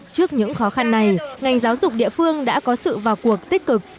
trước những khó khăn này ngành giáo dục địa phương đã có sự vào cuộc tích cực